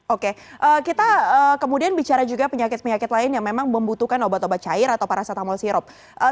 oke kita kemudian bicara juga penyakit penyakit lain yang memang membutuhkan obat obat cair atau paracetamol sirup